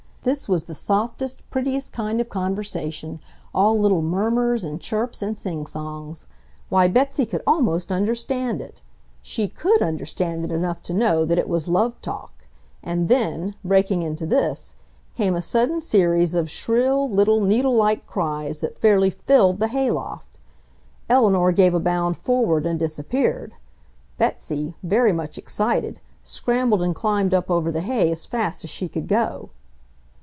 This was the softest, prettiest kind of conversation, all little murmurs and chirps and sing songs. Why, Betsy could almost understand it! She COULD understand it enough to know that it was love talk, and then, breaking into this, came a sudden series of shrill, little, needle like cries that fairly filled the hay loft. Eleanor gave a bound forward and disappeared. Betsy, very much excited, scrambled and climbed up over the hay as fast as she could go.